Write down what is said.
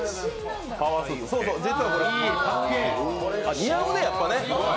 似合うね、やっぱり。